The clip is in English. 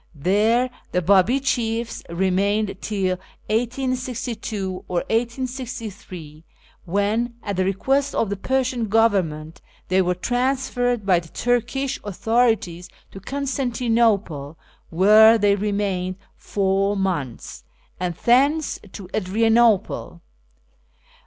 There the Babi chiefs remained till 1862 or 1863, when, at the request of the Persian Government, they were transferred by the Turkish authorities to Constantinople (where they remained four months), and thence to Adrianople.